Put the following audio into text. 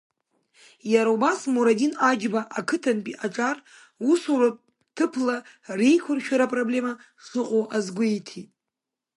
Иара убас Мурадин Аџьба ақыҭантәи аҿар усуратә ҭыԥла реиқәыршәара апроблема шыҟоу азгәеиҭеит.